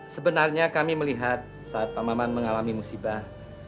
sebenarnya kami melihat saat pak maman mengalami musibah